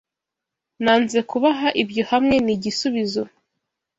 Nanze kubaha ibyo hamwe nigisubizo.